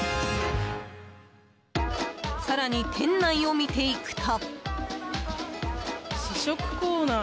更に店内を見ていくと。